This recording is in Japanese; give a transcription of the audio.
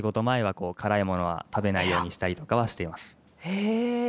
へえ！